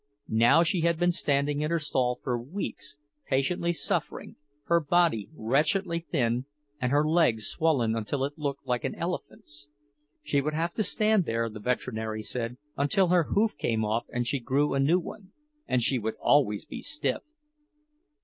Now she had been standing in her stall for weeks, patiently suffering, her body wretchedly thin, and her leg swollen until it looked like an elephant's. She would have to stand there, the veterinary said, until her hoof came off and she grew a new one, and she would always be stiff.